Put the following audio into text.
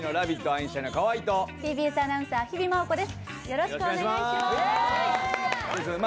ＭＣの河井とＴＢＳアナウンサー・日比麻音子です。